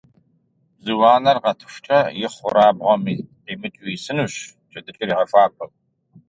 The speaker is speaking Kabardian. Бзу анэр къэтыхукӀэ, и хъур абгъуэм къимыкӀыу исынущ, джэдыкӀэр игъэхуабэу.